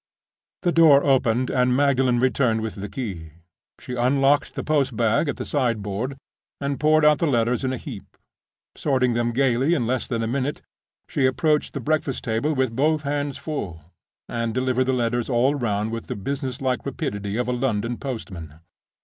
The door opened, and Magdalen returned with the key. She unlocked the post bag at the sideboard and poured out the letters in a heap. Sorting them gayly in less than a minute, she approached the breakfast table with both hands full, and delivered the letters all round with the business like rapidity of a London postman.